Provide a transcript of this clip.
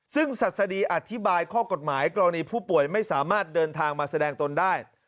ซึ่งศัษฎีอธิบายข้อกฎหมายกรณีผู้ป่วยไม่สามารถเดินทางมาแสดงตนได้